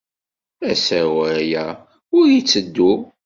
Asawal-a ur itteddu.